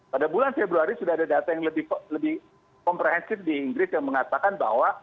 pada bulan februari sudah ada data yang lebih komprehensif di inggris yang mengatakan bahwa